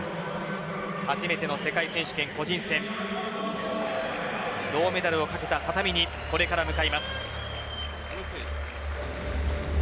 初めての世界選手権個人戦銅メダルを懸けた畳にこれから向かいます。